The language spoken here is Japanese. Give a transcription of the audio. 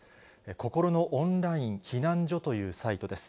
こころのオンライン避難所というサイトです。